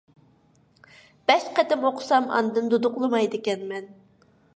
بەش قېتىم ئوقۇسام ئاندىن دۇدۇقلىمايدىكەنمەن .